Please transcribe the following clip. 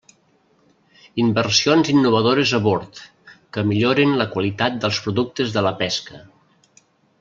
Inversions innovadores a bord que millorin la qualitat dels productes de la pesca.